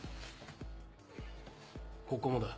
ここもだ。